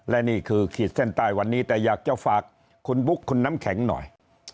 และนี่คือขีดเส้นใต้วันนี้แต่อยากจะฝากคุณบุ๊คคุณน้ำแข็งหน่อย